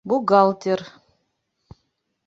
Бухгалтер.